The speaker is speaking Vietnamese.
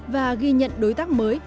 và ghi nhận đối tác mới